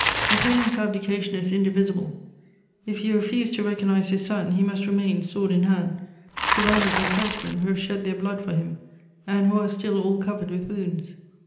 Napoleon's abdication is indivisible. If you refuse to recognise his son, he must remain sword in hand, surrounded by Frenchmen who have shed their blood for him and who are still all covered with wounds....